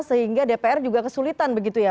sehingga dpr juga kesulitan begitu ya